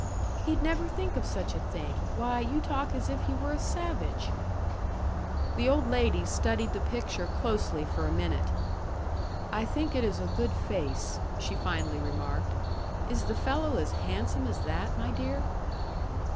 "He'd never think of such a thing. Why, you talk as if he were a savage." The old lady studied the picture closely for a minute. "I think it is a good face," she finally remarked. "Is the fellow as handsome as that, my dear?"